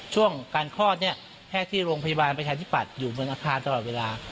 ช่วงการคลอดเนี่ยแพทย์ที่โรงพยาบาลประชาธิปัตย์อยู่เมืองอาคารตลอดเวลา